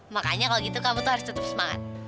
makanya kalau gitu kamu tuh harus tetap semangat